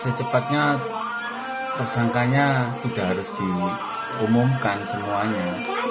secepatnya tersangkanya sudah harus diumumkan semuanya